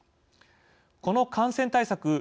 この感染対策